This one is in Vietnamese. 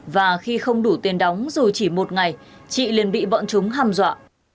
và khi không đủ tiền đóng dù chỉ một ngày chị liền bị bọn chúng hăm dọa